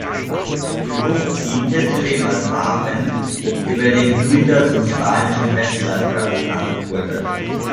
Die Bucht diente zudem als Hafen, über den Güter zum spanischen Festland verbracht wurden.